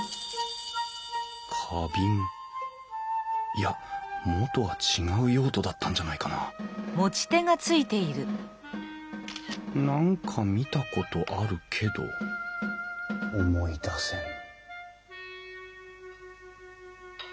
いや元は違う用途だったんじゃないかな何か見たことあるけど思い出せん。